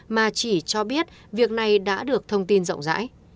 mà chỉ cho biết việc này đã được thông tin rộng rãi